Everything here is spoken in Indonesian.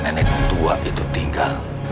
nenek tua itu tinggal